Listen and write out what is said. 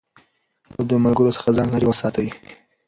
له بدو ملګرو څخه ځان لېرې وساتئ.